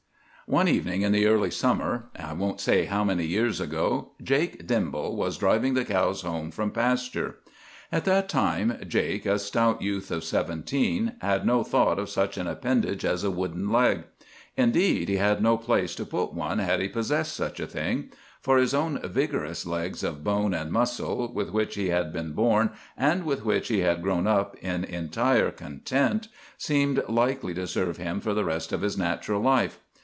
"One evening in the early summer, I won't say how many years ago, Jake Dimball was driving the cows home from pasture. At that time Jake, a stout youth of seventeen, had no thought of such an appendage as a wooden leg. Indeed, he had no place to put one had he possessed such a thing; for his own vigorous legs of bone and muscle, with which he had been born and with which he had grown up in entire content, seemed likely to serve him for the rest of his natural life.